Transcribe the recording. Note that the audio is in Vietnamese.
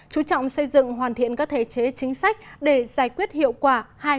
chú trọng xây dựng hoàn thiện các thể chế chính sách để giải quyết hiệu quả